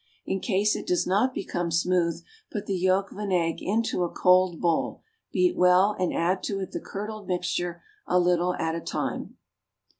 In case it does not become smooth, put the yolk of an egg into a cold bowl, beat well, and add to it the curdled mixture, a little at a time.